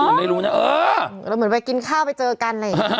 เหมือนไปกินข้าวไปเจอกันอะไรอย่างนี้